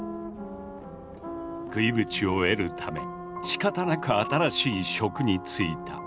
食いぶちを得るためしかたなく新しい職に就いた。